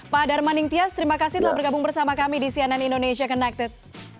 pak darmaning tias terima kasih telah bergabung bersama kami di cnn indonesia connected